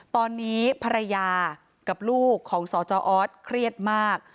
ตอนนี้ภรรยากับลูกของสจออสเครียดมาก